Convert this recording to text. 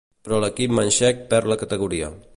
Però l'equip manxec perd la categoria.